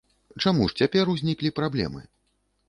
Чаму ж цяпер узніклі праблемы?